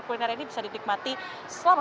kuliner ini bisa dinikmati selama